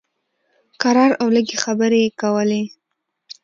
کرار او لږې خبرې یې کولې.